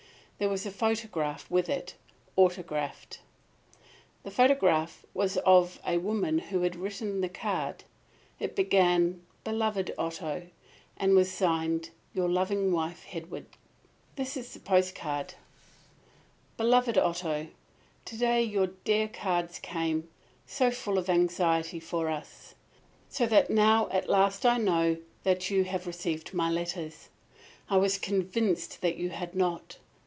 There was a photograph with it, autographed. The photograph was of the woman who had written the card. It began "Beloved Otto," and was signed "Your loving wife, Hedwig." This is the postcard: "Beloved Otto: To day your dear cards came, so full of anxiety for us. So that now at last I know that you have received my letters. I was convinced you had not.